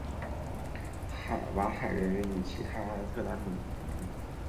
瓦罕人与其他帕米尔民族在上世纪遭到塔吉克政府的严重迫害。